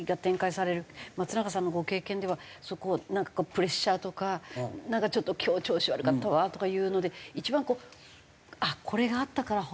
松中さんのご経験ではそこプレッシャーとかなんかちょっと今日調子悪かったわとかいうので一番こうこれがあったからホッとしたとか。